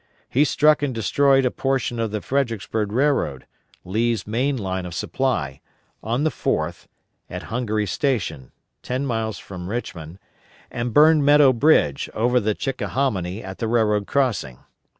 He struck and destroyed a portion of the Fredericksburg Railroad Lee's main line of supply on the 4th, at Hungary Station, ten miles from Richmond, and burned Meadow Bridge, over the Chickahominy at the railroad crossing.